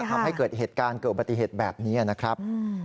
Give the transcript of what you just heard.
ทำให้เกิดเหตุการณ์เกิดปฏิเหตุแบบนี้นะครับ